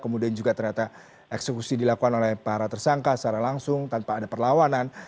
kemudian juga ternyata eksekusi dilakukan oleh para tersangka secara langsung tanpa ada perlawanan